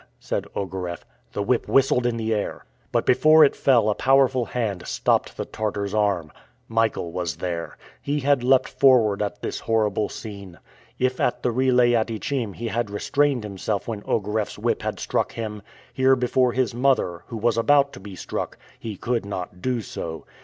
said Ogareff. The whip whistled in the air. But before it fell a powerful hand stopped the Tartar's arm. Michael was there. He had leapt forward at this horrible scene. If at the relay at Ichim he had restrained himself when Ogareff's whip had struck him, here before his mother, who was about to be struck, he could not do so.